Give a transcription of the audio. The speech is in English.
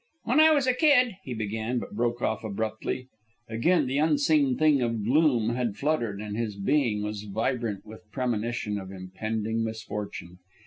"When I was a kid " he began, but broke off abruptly. Again the unseen thing of gloom had fluttered, and his being was vibrant with premonition of impending misfortune.